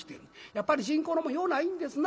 やっぱり人工のもんようないんですな。